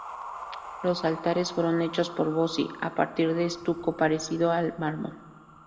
Los altares fueron hechos por Bossi a partir de estuco parecido al mármol.